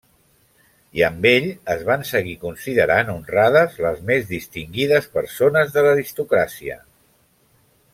I amb ell es van seguir considerant honrades les més distingides persones de l'aristocràcia.